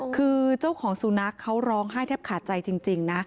คือเจ้าของสุนัขเขาร้องไห้แทบขาดใจจริงนะ